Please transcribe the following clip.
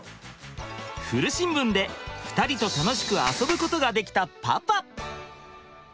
古新聞で２人と楽しく遊ぶことができたパパ。